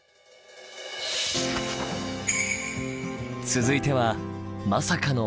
続いてはまさかのＳＦ！？